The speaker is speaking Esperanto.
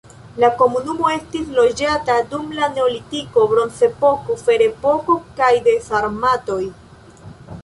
La komunumo estis loĝata dum la neolitiko, bronzepoko, ferepoko kaj de sarmatoj.